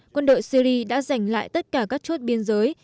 quân đội syri đã giành lại tất cả các chốt biên giới